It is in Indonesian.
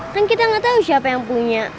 kan kita nggak tahu siapa yang punya